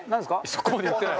そこまで言ってない。